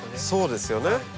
そうですよね。